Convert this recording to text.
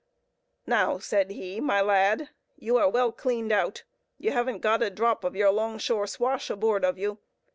"Now," said he, "my lad, you are well cleaned out; you haven't got a drop of your 'long shore swash aboard of you.